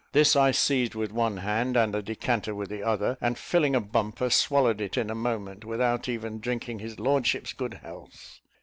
This I seized with one hand and the decanter with the other; and, filling a bumper, swallowed it in a moment, without even drinking his lordship's good health.